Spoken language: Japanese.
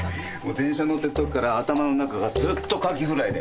電車乗ってるときから頭の中がずっとカキフライで。